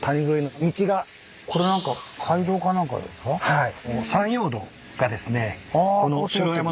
はい。